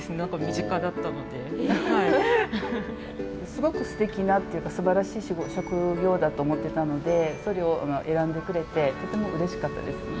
すごくすてきなっていうかすばらしい職業だと思ってたのでそれを選んでくれてとてもうれしかったですね。